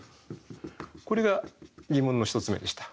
これが疑問の１つ目でした。